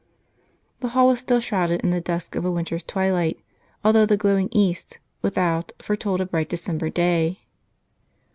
The hall was still shrouded in the dusk of a winter's twilight, although the glowing east, without, foretold a bright December day.